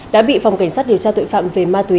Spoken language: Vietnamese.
đã bị phòng cảnh sát điều tra tội phạm về ma túy